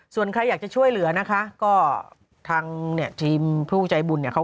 ส่วนใครอยากจะช่วยเหลือนะคะก็ทางเนี่ยทีมผู้ใจบุญเนี่ยเขา